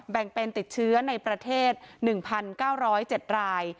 แบ่งเป็นติดเชื้อในประเทศ๑๙๐๗ราย